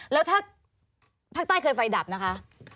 แล้วถ้าภาคใต้เคยไฟดับนะคะ